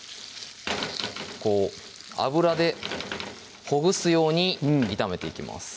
こう油でほぐすように炒めていきます